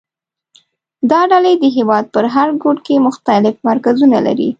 دا ډلې د هېواد په هر ګوټ کې مختلف مرکزونه لري